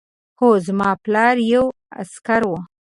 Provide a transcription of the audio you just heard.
هو زما پلار یو عسکر و